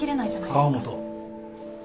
河本。